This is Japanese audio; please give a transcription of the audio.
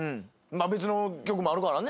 別の局もあるからね。